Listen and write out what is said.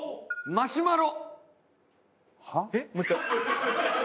マシュマロ。